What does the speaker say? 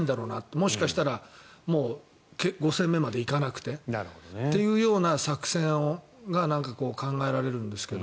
もしかしたら、もう５戦目まで行かなくてっていうような作戦がこう考えられるんですけど。